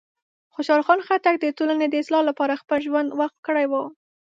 خوشحال خان خټک د ټولنې د اصلاح لپاره خپل ژوند وقف کړی و.